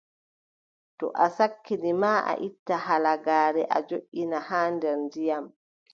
To o sakkini ma, a itta halagaare a joʼina haa nder ndiyam.